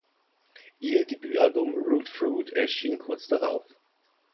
Ihr Debüt-Album "Rude Fruit" erschien kurz darauf.